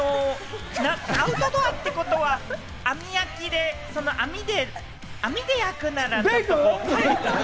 アウトドアってことは網焼きで、網で焼くなら。